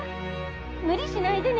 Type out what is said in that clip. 無理しないでね。